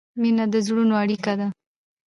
مینه د زړونو اړیکه ده.